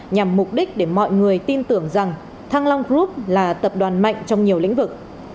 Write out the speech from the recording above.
nhằm mục đích để mọi người tin tưởng rằng thăng long group là tập đoàn mạnh trong nhiều lĩnh vực